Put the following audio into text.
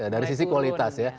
dari sisi kualitas ya